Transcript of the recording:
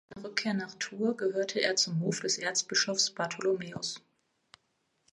Nach seiner Rückkehr nach Tours gehörte er zum Hof des Erzbischofs Bartholomaeus.